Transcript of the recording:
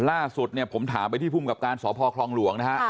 ล่าสุดเนี่ยผมถามไปที่ภูมิกับการสพคลองหลวงนะฮะ